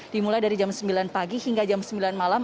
dimulai dari jam sembilan pagi hingga jam sembilan malam